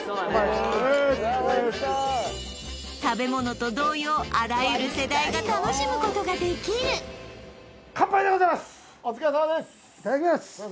食べ物と同様あらゆる世代が楽しむことができるいただきます